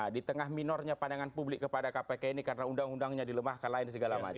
di tengah minornya pandangan publik kepada kpk ini karena undang undangnya dilemahkan lain segala macam